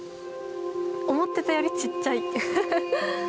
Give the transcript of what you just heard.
思ってたより小っちゃい。